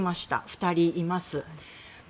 ２人います。